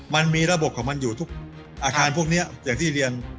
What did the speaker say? มันมีระบบของมันอยู่ทุกอาคารพวกนี้อย่างที่เรียน